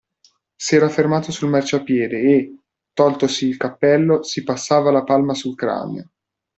S'era fermato sul marciapiede e, toltosi il cappello, si passava la palma sul cranio.